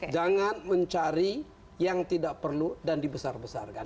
jangan mencari yang tidak perlu dan dibesar besarkan